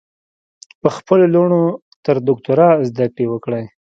په خپلو لوڼو تر دوکترا ذدکړي وکړئ